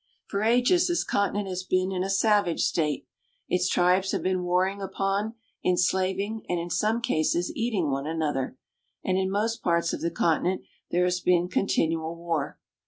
For ages this continent has been in a savage state. Its tribes have been warring upon, enslaving, and in some cases eating one another ; and in most parts of the conti nent there has been continual war.